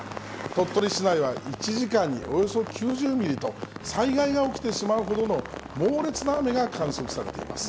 鳥取市内は１時間におよそ９０ミリと、災害が起きてしまうほどの猛烈な雨が観測されています。